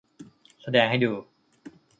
แสดงให้ดู